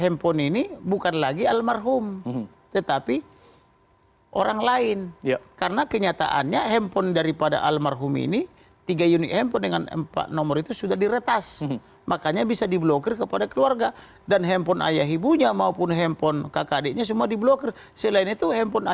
mungkin komentarnya pak fikar seperti apa